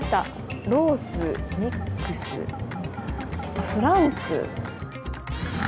ロースミックスフランク。